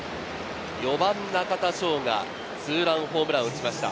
４番・中田翔がツーランホームランを打ちました。